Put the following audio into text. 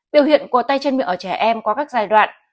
biểu hiện của tay chân miệng ở trẻ em qua các giai đoạn